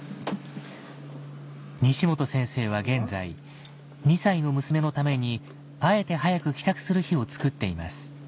西本先生は現在２歳の娘のためにあえて早く帰宅する日をつくっています